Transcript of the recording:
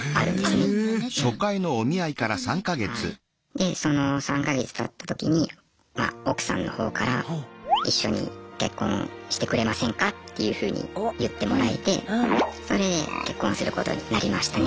でその３か月たった時にま奥さんの方からっていうふうに言ってもらえてそれで結婚することになりましたね。